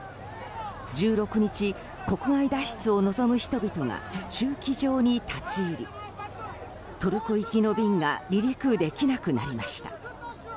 １６日、国外脱出を望む人々が駐機場に立ち入りトルコ行きの便が離陸できなくなりました。